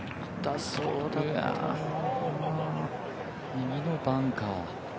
右のバンカー。